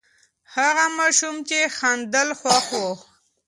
هغه ماشوم چې خندل، خوښ و.